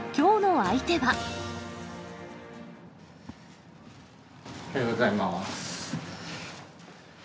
おはようございます。